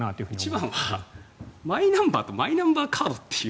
一番はマイナンバーとマイナンバーカードっていう